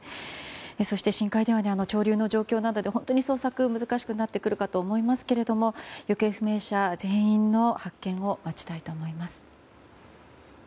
そして深海では潮流の状況などで本当に捜索が難しくなってくるかと思いますが行方不明者全員の発見を待ちたいと思います。